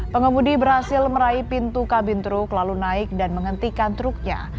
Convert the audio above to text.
pengemudi berhasil meraih pintu kabin truk lalu naik dan menghentikan truknya